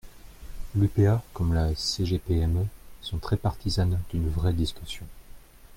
L’UPA comme la CGPME sont très partisanes d’une vraie discussion.